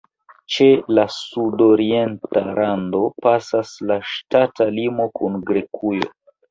Ĉe la sudorienta rando pasas la ŝtata limo kun Grekujo.